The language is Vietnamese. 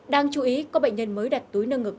đáng chú ý có bệnh nhân mới đặt túi nâng ngực